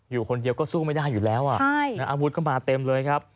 อยู่คนเดียวก็สู้ไม่ได้อยู่แล้วอาวุธก็มาเต็มเลยครับ